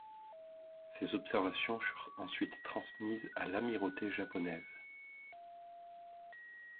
Ses observations furent ensuite transmises à l'amirauté japonaise.